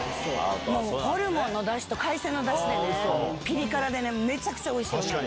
ホルモンのダシと海鮮のダシでピリ辛でめちゃくちゃおいしいんです。